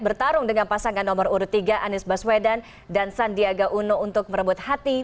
bertarung dengan pasangan nomor urut tiga anies baswedan dan sandiaga uno untuk merebut hati